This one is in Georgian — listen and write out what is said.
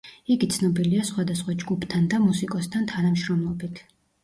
იგი ცნობილია სხვადასხვა ჯგუფთან და მუსიკოსთან თანამშრომლობით.